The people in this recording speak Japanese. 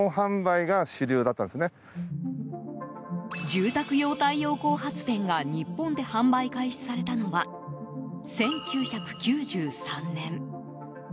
住宅用太陽光発電が日本で販売開始されたのは１９９３年。